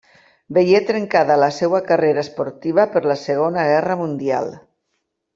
Veié trencada la seva carrera esportiva per la Segona Guerra Mundial.